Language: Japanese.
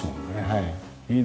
はい。